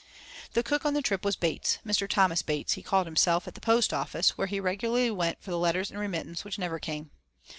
IV The cook on that trip was Bates Mr. Thomas Bates, he called himself at the post office where he regularly went for the letters and remittance which never came.